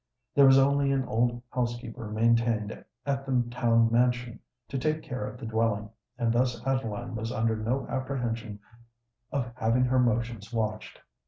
There was only an old housekeeper maintained at the town mansion, to take care of the dwelling; and thus Adeline was under no apprehension of having her motions watched.